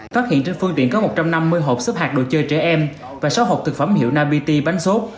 phát hiện trên phương tiện có một trăm năm mươi hộp xếp hạt đồ chơi trẻ em và sáu hộp thực phẩm hiệu napt bánh sốt